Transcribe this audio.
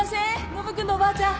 ノブ君のおばあちゃん！